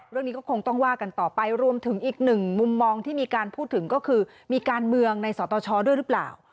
เรื่องนี้ก็คงต้องว่ากันต่อไปรวมถึงอีกหนึ่งมุมมองที่มีการพูดถึงก็คือมีการเมืองในสตชด้วยหรือเปล่า